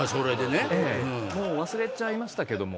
もう忘れちゃいましたけども。